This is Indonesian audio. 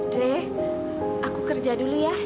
dre aku kerja dulu ya